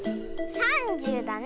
３０だね。